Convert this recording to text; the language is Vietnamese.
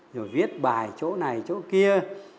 rồi viết bài chỗ này chỗ kia